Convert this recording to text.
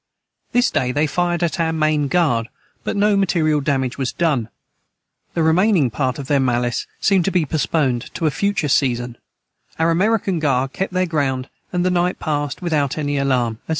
This day they fired at our main guard but no material Damage was done the remaining part of their mallice seemed to be postponed to a future season our american guard kept their ground and the night passed without any alarm &c.